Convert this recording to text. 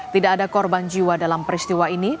tidak ada korban jiwa dalam peristiwa ini